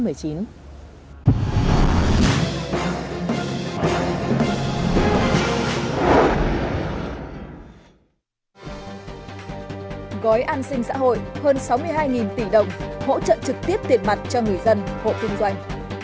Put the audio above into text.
gói an sinh xã hội hơn sáu mươi hai tỷ đồng hỗ trợ trực tiếp tiền mặt cho người dân hộ kinh doanh